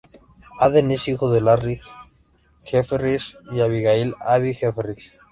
Aden es hijo de Larry Jefferies y Abigail "Abby" Jefferies.